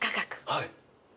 はい。